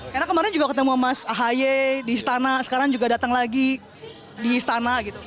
karena kemarin juga ketemu mas ahaye di istana sekarang juga datang lagi di istana gitu